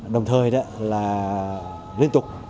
đồng thời là liên tục